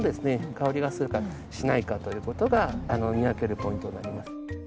香りがするかしないかという事が見分けるポイントになります。